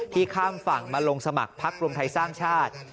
ข้ามฝั่งมาลงสมัครพักรวมไทยสร้างชาติ